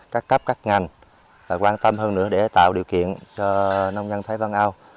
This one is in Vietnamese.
các cấp các ngành và quan tâm hơn nữa để tạo điều kiện cho nông dân thái văn âu